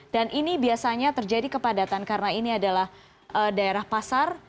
ini biasanya terjadi kepadatan karena ini adalah daerah pasar